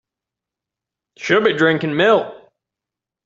Should be drinking milk.